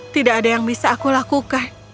tidak ada yang bisa aku lakukan